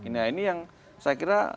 nah ini yang saya kira